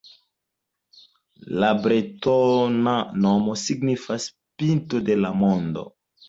La bretona nomo signifas “pinto de la mondo”.